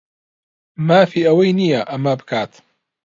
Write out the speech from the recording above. مافی ئەوەی نییە ئەمە بکات.